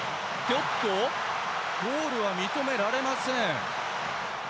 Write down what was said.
おっと、ゴールは認められません。